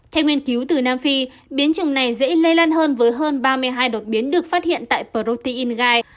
theo nghiên cứu từ nam phi biến chủng này dễ lây lan hơn với hơn ba mươi hai đột biến được phát hiện tại protein gai